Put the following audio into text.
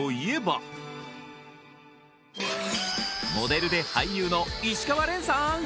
モデルで俳優の石川恋さん！